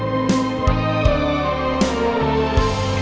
dia masih terlalu keras